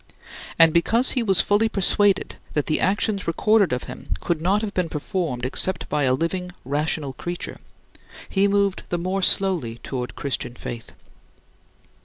And because he was fully persuaded that the actions recorded of him could not have been performed except by a living rational creature, he moved the more slowly toward Christian faith.